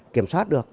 kiểm soát được